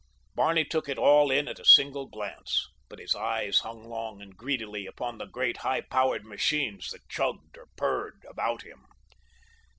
Barney took it all in at a single glance, but his eyes hung long and greedily upon the great, high powered machines that chugged or purred about him.